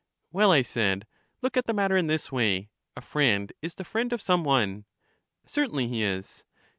Well, I said; look at the matter in this way: a friend is the friend of some one. Certainly he is.